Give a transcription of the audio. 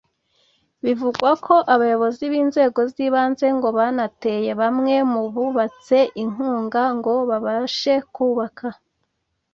Bivugwa ko abayobozi b’inzego z’ ibanze ngo banateye bamwe mu bubatse inkunga ngo babashe kubaka